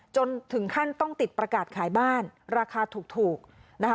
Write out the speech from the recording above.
จนถึงขั้นต้องติดประกาศขายบ้านราคาถูกนะคะ